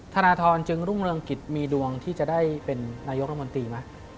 ธนทรจึงรุ่งเรืองกิจมีดวงที่จะได้เป็นนายกรมนตรีไหม